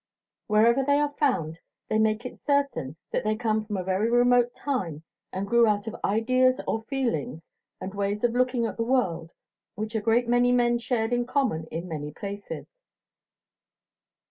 Wherever they are found they make it certain that they come from a very remote time and grew out of ideas or feelings and ways of looking at the world which a great many men shared in common in many places.